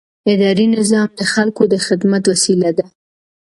اداري نظام د خلکو د خدمت وسیله ده.